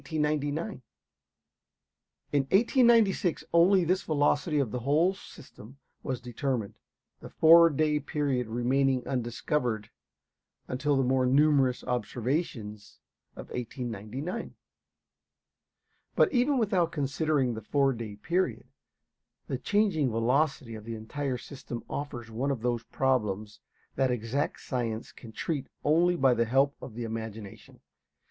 In 1896 only this velocity of the whole system was determined, the four day period remaining undiscovered until the more numerous observations of 1899. But even without considering the four day period, the changing velocity of the entire system offers one of those problems that exact science can treat only by the help of the imagination.